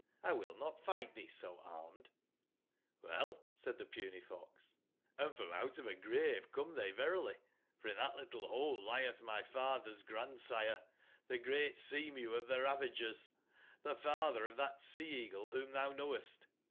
will not fight thee so armed "j^'*(ilell/' said the puny fox, *' and from out of a grave come they verily: for in that little hole lieth my father's grandsire, the great Sea/mew of the Ravagers, the father of that Sea/eagle whom thou knowest.